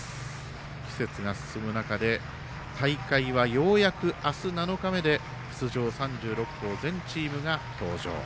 季節が進む中で大会は、ようやく明日７日目で出場３６校全チームが登場。